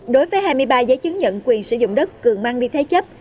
đối với hai mươi ba giấy chứng nhận quyền sử dụng đất cường mang đi thế chấp